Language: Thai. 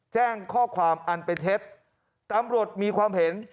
แจ้งข้อความอันเป็นเท็จตำรวจมีความเห็น